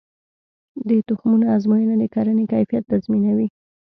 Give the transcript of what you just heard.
د تخمونو ازموینه د کرنې کیفیت تضمینوي.